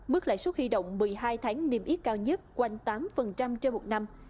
mức lãi suất huy động một mươi hai tháng niềm ít cao nhất quanh tám trên một năm